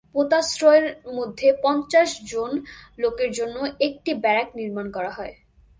পোতাশ্রয়ের মধ্যে পঞ্চাশ জন লোকের জন্য একটি ব্যারাক নির্মাণ করা হয়।